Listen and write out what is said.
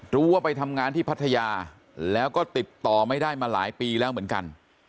รู้ว่าไปทำงานที่พัทยาแล้วก็ติดต่อไม่ได้มาหลายปีแล้วเหมือนกัน